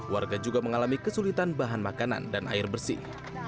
warga juga mengalami kesulitan bahan makanan dan air bersih